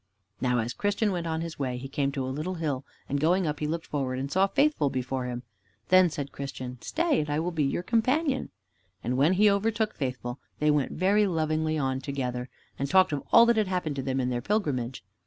Now as Christian went on his way, he came to a little hill, and going up he looked forward and saw Faithful before him. Then said Christian, "Stay, and I will be your companion." And when he overtook Faithful they went very lovingly on together, and talked of all that had happened to them in their pilgrimage.